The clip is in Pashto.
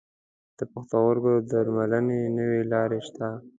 د پښتورګو درملنې نوي لارې شته.